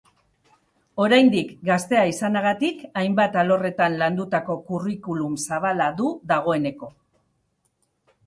Oraindik gaztea izanagatik, hainbat alorretan landutako curriculum zabala du dagoeneko.